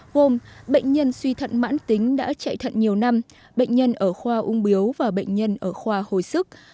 gồm bệnh nhân suy thận mãn tính đã chạy thận nhiều năm bệnh nhân ở khoa ung biếu và bệnh nhân ở khoa hồi sức